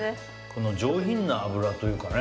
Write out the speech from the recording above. この上品な脂というかね